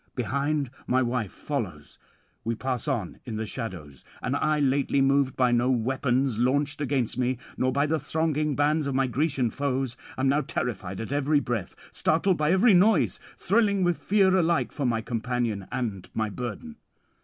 Behind my wife follows. We pass on in the shadows. And I, lately moved by no weapons launched against me, nor by the thronging bands of my Grecian foes, am now terrified at every breath, startled by every noise, thrilling with fear alike for my companion and my burden.